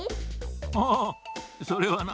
ああそれはな